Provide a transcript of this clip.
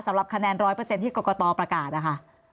สำหรับคะแนน๑๐๐ที่กรกตประกาศนะคะ